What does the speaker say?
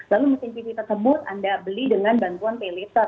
lalu mesin cuci tersebut anda beli dengan bantuan paylater